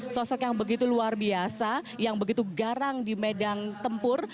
sosok yang begitu luar biasa yang begitu garang di medan tempur